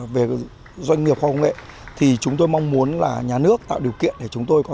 về doanh nghiệp khoa học công nghệ thì chúng tôi mong muốn là nhà nước tạo điều kiện để chúng tôi có